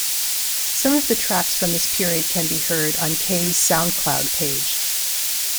Some of the tracks from this period can be heard on Kaay's Soundcloud page.